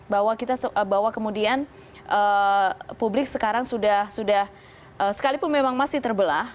bahwa kemudian publik sekarang sudah sekalipun memang masih terbelah